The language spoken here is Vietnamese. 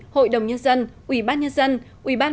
hội đồng nhân dân ubnd ubnd